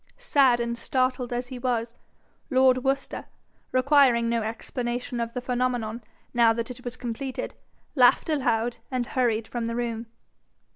Sad and startled as he was, lord Worcester, requiring no explanation of the phenomenon now that it was completed, laughed aloud and hurried from the room.